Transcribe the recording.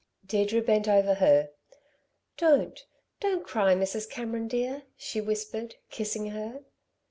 Deirdre bent over her. "Don't! Don't cry, Mrs. Cameron, dear," she whispered, kissing her.